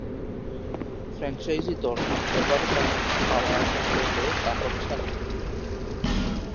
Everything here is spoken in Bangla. ফ্র্যাঞ্চাইজি দলটি এবারও তাঁকে পাওয়ার আশা করলেও তা হচ্ছে না।